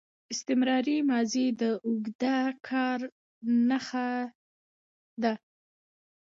استمراري ماضي د اوږده کار نخښه ده.